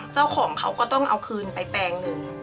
เจ้าของเขาก็ต้องเอาคืนไปแปลงหนึ่ง